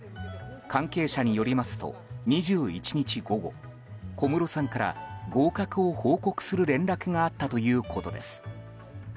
関係者によりますと、２１日午後小室さんから、合格を報告する連絡があったということです。